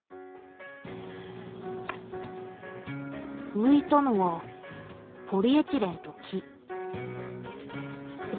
浮いたのはポリエチレンと木。